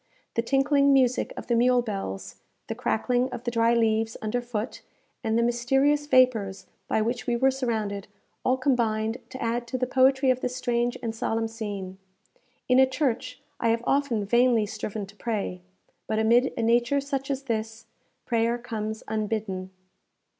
The tinkling music of the mule bells, the crackling of the dry leaves under foot, and the mysterious vapours by which we were surrounded, all combined to add to the poetry of this strange and solemn scene. In a church I have often vainly striven to pray; but amid a nature such as this, prayer comes unbidden.